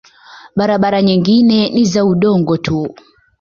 Barabara nyingine ni za udongo tu.